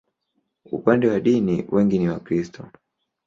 Upande wa dini, wengi ni Wakristo.